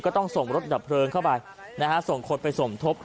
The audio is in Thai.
ต้องส่งรถดับเพลิงเข้าไปนะฮะส่งคนไปสมทบ